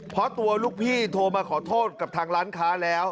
เพราะตัวลูกพี่โทรมาขอโทษกับทางร้านค้าแล้ว